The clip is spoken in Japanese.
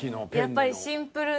やっぱりシンプルに。